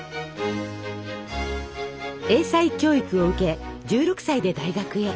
英才教育を受け１６歳で大学へ。